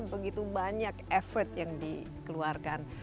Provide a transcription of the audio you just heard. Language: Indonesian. begitu banyak effort yang dikeluarkan